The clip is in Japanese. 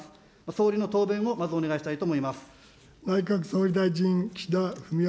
総理の答弁をまず、お願いしたいと思います。